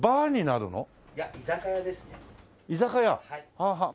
はあはあ。